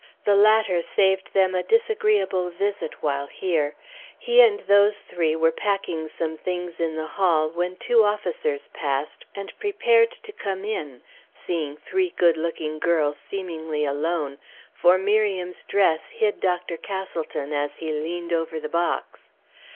The latter saved them a disagreeable visit, while here. He and those three were packing some things in the hall, when two officers passed, and prepared to come in, seeing three good looking girls seemingly alone, for Miriam's dress hid Dr. Castleton as he leaned over the box.